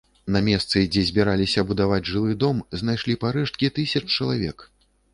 На месцы, дзе збіраліся будаваць жылы дом, знайшлі парэшткі тысяч чалавек.